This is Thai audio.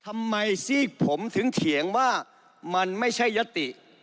ซีกผมถึงเถียงว่ามันไม่ใช่ยติ